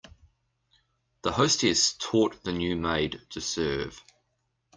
The hostess taught the new maid to serve.